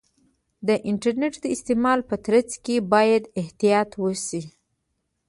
د انټرنیټ د استعمال په ترڅ کې باید احتیاط وشي.